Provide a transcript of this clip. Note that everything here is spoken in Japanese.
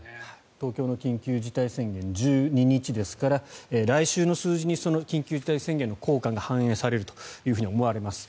東京の緊急事態宣言１２日ですから来週の数字にその緊急事態宣言の効果が反映されるというふうに思われます。